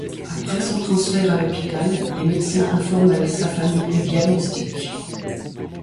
Après son transfert à l'hôpital, les médecins informent sa famille du diagnostic.